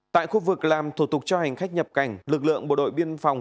tại khu vực làm thủ tục cho hành khách nhập cảnh lực lượng bộ đội biên phòng